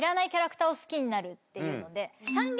っていうので。